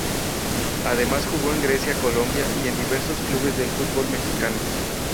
Además, jugó en Grecia, Colombia y en diversos clubes del fútbol Mexicano.